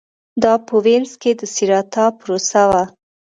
دا په وینز کې د سېراتا پروسه وه